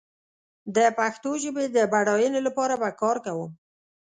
د پښتو ژبې د بډايينې لپاره به کار کوم